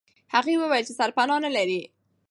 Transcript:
هغه وویل چې سرپنا نه لري.